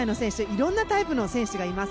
色んなタイプの選手がいます。